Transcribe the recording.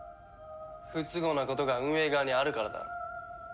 不都合なことが運営側にあるからだろ。